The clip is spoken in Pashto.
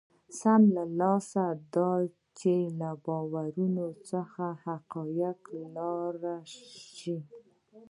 سمه لار دا ده چې له باورونو څخه حقایقو ته لاړ شو.